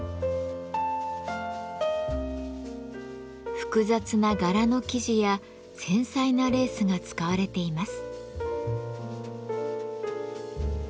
複雑な柄の生地や繊細なレースが使われています。